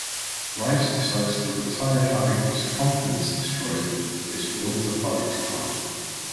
Reiss decides to retire having his confidence destroyed and his will to fight gone.